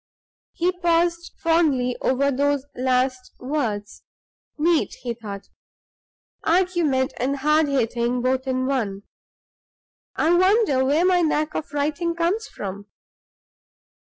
He paused fondly over those last words. "Neat!" he thought. "Argument and hard hitting both in one. I wonder where my knack of writing comes from?"